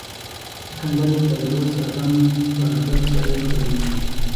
د کمبلي پر يوه سر غم ، پر بل سر يې ښادي وي.